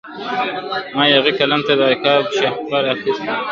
ما یاغي قلم ته د عقاب شهپر اخیستی دی ..